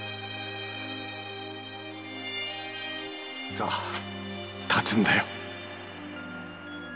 さぁ立つんだよ。